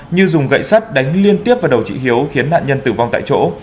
như dùng gậy sắt đánh liên tiếp vào đầu chị hiếu khiến nạn nhân tử vong tại chỗ